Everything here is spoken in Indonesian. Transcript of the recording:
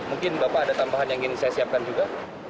mungkin bapak ada tambahan yang ingin saya siapkan juga